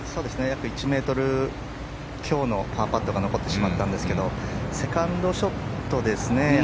約１ｍ強のパーパットが残ってしまったんですけどセカンドショットですね。